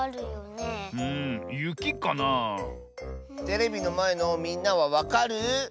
テレビのまえのみんなはわかる？